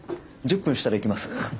１０分したら行きます。